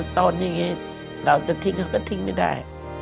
ตอนนี้เราจะทิ้งเราก็ทิ้งไม่ได้